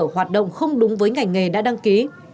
hoạt động không đúng với ngành nghề đã đăng ký